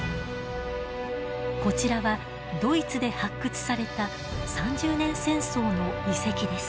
こちらはドイツで発掘された三十年戦争の遺跡です。